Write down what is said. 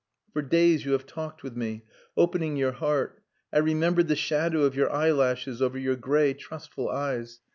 For days you have talked with me opening your heart. I remembered the shadow of your eyelashes over your grey trustful eyes.